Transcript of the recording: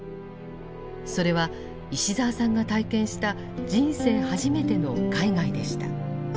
それは石澤さんが体験した人生初めての海外でした。